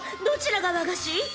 どちらが和菓子？］